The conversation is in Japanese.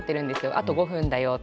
あと５分だよって。